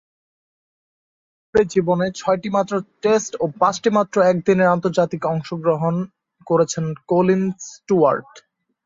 সমগ্র খেলোয়াড়ী জীবনে ছয়টিমাত্র টেস্ট ও পাঁচটিমাত্র একদিনের আন্তর্জাতিকে অংশগ্রহণ করেছেন কলিন স্টুয়ার্ট।